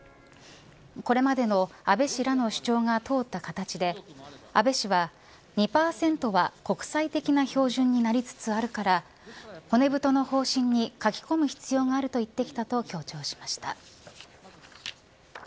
これまでの安倍氏らの主張が通った形で安倍氏は、２％は国際的な標準になりつつあるから骨太の方針に書き込む必要があると言ってきたと強調しました。